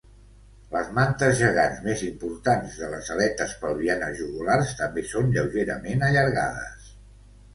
Les mantes gegants més importants de les aletes pelvianes jugulars també són lleugerament allargades.